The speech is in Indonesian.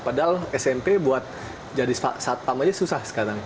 padahal smp buat jadi satpam aja susah sekarang